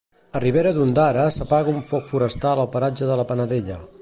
A Ribera d'Ondara s'apaga un foc forestal al paratge de la Panadella.